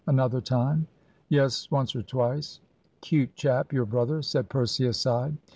"Another time?" "Yes, once or twice." "'Cute chap, your brother," said Percy, aside.